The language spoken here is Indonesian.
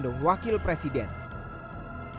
dan juga soal proses pembahasan rrkuhp